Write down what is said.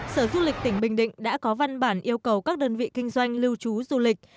sở du lịch tỉnh bình định đã có văn bản yêu cầu các đơn vị kinh doanh lưu trú du lịch